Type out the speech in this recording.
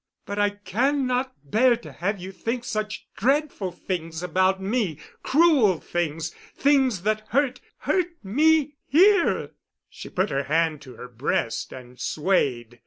But I cannot bear to have you think such dreadful things about me, cruel things, things that hurt—hurt me here——" She put her hand to her breast and swayed.